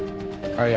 はい。